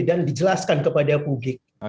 dan dijelaskan kepada publik